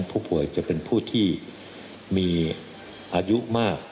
ผู้ป่วยจะเป็นผู้ที่มีอายุมาก